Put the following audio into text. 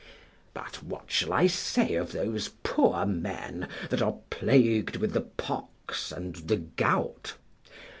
But what shall I say of those poor men that are plagued with the pox and the gout?